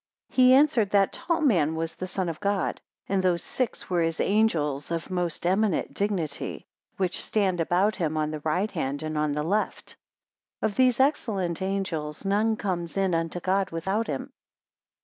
He answered, that tall man was the Son of God; and those six were his angels of most eminent dignity, which stand about him on the right hand and on the left. 120 Of these excellent angels none comes in unto God without him.